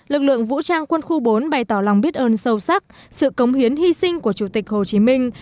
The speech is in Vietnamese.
lực lượng vũ trang quân khu bốn bày tỏ lòng biết ơn sâu sắc sự cống hiến hy sinh của chủ tịch hồ chí minh